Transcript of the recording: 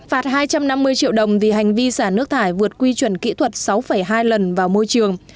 phạt hai trăm năm mươi triệu đồng vì hành vi xả nước thải vượt quy chuẩn kỹ thuật sáu hai lần vào môi trường